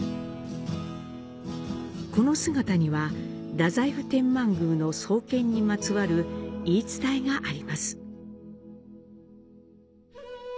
この姿には、大宰府天満宮の創建にまつわる言い伝えがあります。